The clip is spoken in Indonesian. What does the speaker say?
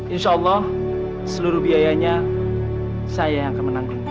insyaallah seluruh biayanya saya yang akan menanggungnya